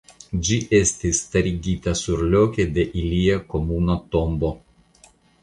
Ĝi estis starigita surloke de ilia komuna tombo.